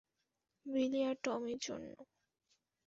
বিলি আর টমির জন্য।